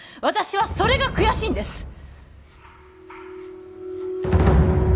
私はそれが悔しいんです！